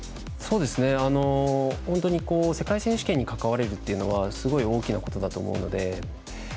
本当に世界選手権に関われるっていうことはすごい大きなことだと思うので。